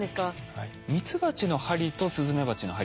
はい。